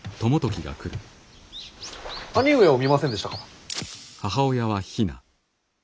兄上を見ませんでしたか？